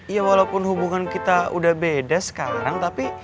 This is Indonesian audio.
ya walaupun hubungan kita udah beda sekarang tapi